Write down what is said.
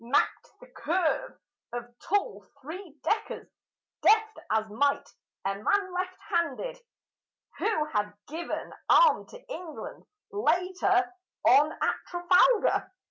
Mapped the curve of tall three deckers, deft as might a man left handed, Who had given an arm to England later on at Trafalgar.